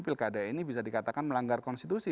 pilkada ini bisa dikatakan melanggar konstitusi